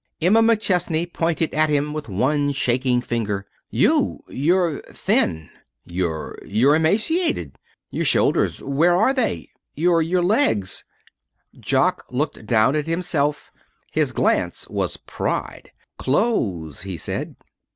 What?" Emma McChesney pointed at him with one shaking finger. "You! You're thin! You're you're emaciated. Your shoulders, where are they? Your your legs " Jock looked down at himself. His glance was pride. "Clothes," he said.